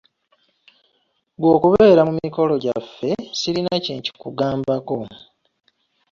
Ggwe okubeera mu mikono gyaffe, sirina kye nkikugambako.